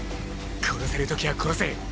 殺せる時は殺せ。